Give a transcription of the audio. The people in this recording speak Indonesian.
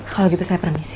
kalau gitu saya permisi